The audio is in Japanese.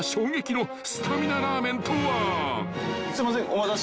すいません。